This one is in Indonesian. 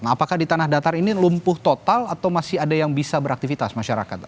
apakah di tanah datar ini lumpuh total atau masih ada yang bisa beraktivitas masyarakat